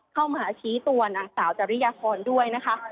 เข้ามหาชี้ตัวนางสาวจัสรุยศรี่ยะคอนด้วยนะคะ